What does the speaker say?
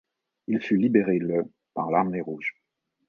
Il fut libéré le par l'Armée rouge.